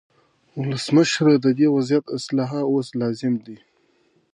ولسمشره، د دې وضعیت اصلاح اوس لازم دی.